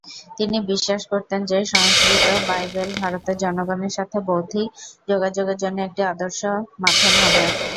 তিনি বিশ্বাস করতেন যে সংস্কৃত বাইবেল ভারতের জনগণের সাথে বৌদ্ধিক যোগাযোগের জন্য একটি আদর্শ মাধ্যম হবে।